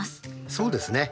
そうですね。